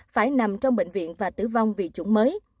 phải nằm trong bệnh viện và tử vong vì chủng mới